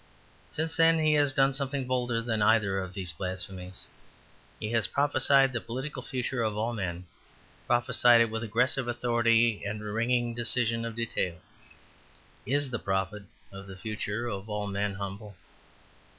Since then he has done something bolder than either of these blasphemies; he has prophesied the political future of all men; prophesied it with aggressive authority and a ringing decision of detail. Is the prophet of the future of all men humble?